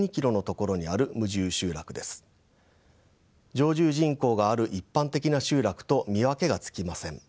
常住人口がある一般的な集落と見分けがつきません。